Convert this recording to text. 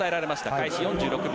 開始４６秒。